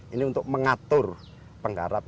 ini untuk mengatur penggarahan